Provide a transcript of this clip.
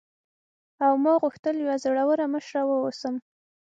او ما غوښتل یوه زړوره مشره واوسم.